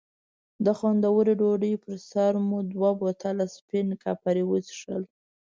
د خوندورې ډوډۍ پر سر مو دوه بوتله سپین کاپري وڅښل.